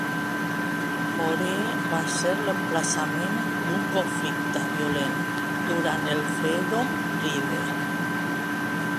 Moree va ser l'emplaçament d'un conflicte violent durant el Freedom Ride.